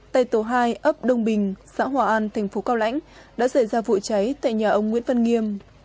tại tổ hai ấp đông bình xã hòa an thành phố cao lãnh đã xảy ra vụ cháy tại nhà ông nguyễn văn nghiêm